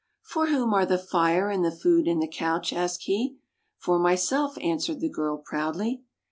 " For whom are the fire, and the food, and the couch?" asked he. " For myself," answered the girl proudly.